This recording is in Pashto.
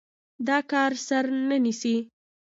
دا کار سر نه نيسي.